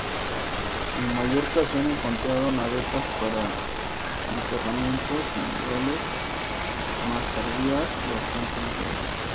En Mallorca se han encontrado navetas para enterramientos individuales, más tardías y bastante diferentes.